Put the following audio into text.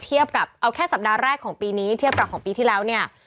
เทียบกับเอาแค่สัปดาห์แรกของปีนี้เทียบกับของปีที่แล้วเนี่ย